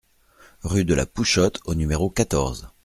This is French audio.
Rue de la Pouchotte au numéro quatorze